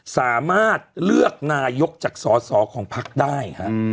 สามารถเลือกนายกจากสอสอของพักได้ฮะ